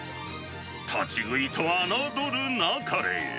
立ち食いと侮るなかれ。